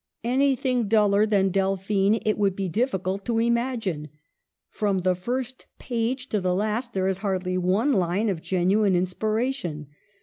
Anything duller than Delphine it would be difficult to imagine. From the first page to the last there is hardly one line of genuine inspira tion.